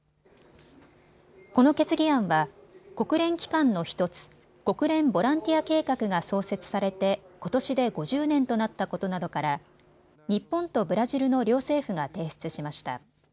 この決議案は国連機関の１つ国連ボランティア計画が創設されてことしで５０年となったことなどから日本とブラジルの両政府が提出しました。